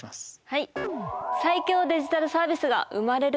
はい。